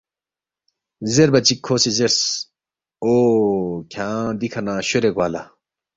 زیربا چِک کھو سی زیرس، او کھیانگ دِکھہ نہ شورے گوا لا